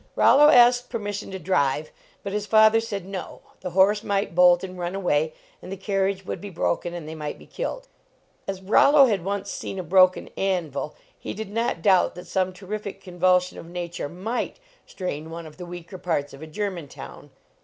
Rollo asked permission to drive, but his father said "No; the horse might bolt and run away, and the carriage would be broken and they might be killed." As Rollo had once seen a broken anvil, he did not doubt that some terrific convulsion of nature might strain one of the weaker parts of a German town.